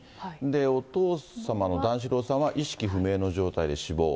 お父様の段四郎さんは意識不明の状態で死亡。